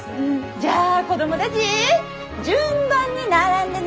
じゃあ子供たぢ順番に並んでね！